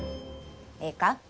ええか？